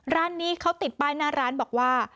ร้านนี้เขาติดป้ายหน้าร้านบอกว่า